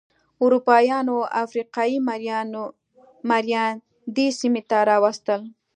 اروپایانو افریقايي مریان دې سیمې ته راوستل.